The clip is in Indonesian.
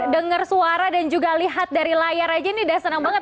dengar suara dan juga lihat dari layar aja ini udah senang banget